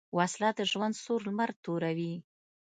وسله د ژوند سور لمر توروي